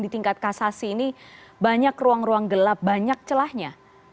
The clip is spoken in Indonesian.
di tingkat kasasi ini banyak ruang ruang gelap banyak celahnya